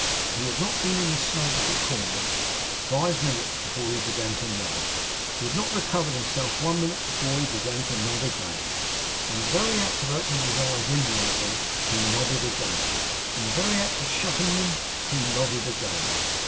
He had not been in the snug little corner five minutes before he began to nod. He had not recovered himself one minute before he began to nod again. In the very act of opening his eyes indolently, he nodded again. In the very act of shutting them, he nodded again.